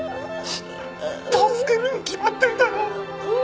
助けるに決まってるだろ。